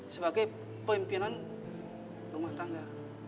sebagai pemimpinan rumah tangga